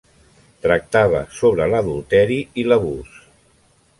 Tractava sobre l'adulteri i l'abús.